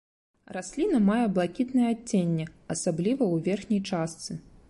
Расліна мае блакітнае адценне, асабліва ў верхняй частцы.